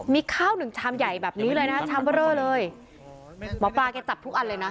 มีข้าวหนึ่งชามใหญ่แบบนี้เลยนะฮะชามเบอร์เรอเลยหมอปลาแกจับทุกอันเลยนะ